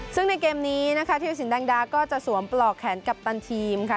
ซึ่งในเกมนี้นะคะธิรสินแดงดาก็จะสวมปลอกแขนกัปตันทีมค่ะ